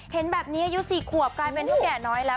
เห็นแบบนี้อายุ๔ขวบกลายเป็นเท่าแก่น้อยแล้ว